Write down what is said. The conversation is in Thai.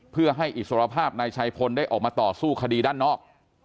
เพื่อให้อิสรภาพนายชัยพลได้ออกมาต่อสู้คดีด้านนอก